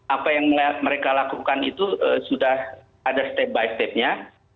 apa yang mereka lakukan itu sudah ada step by stepnya